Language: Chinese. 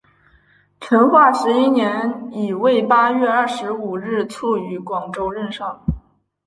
成化十一年乙未八月二十五日卒于广州任上。